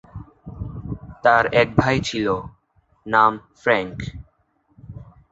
তার এক ভাই ছিল, নাম ফ্রাঙ্ক।